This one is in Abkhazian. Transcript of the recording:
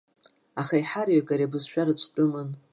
Аха аиҳараҩык ари абызшәа рыцәтәымын.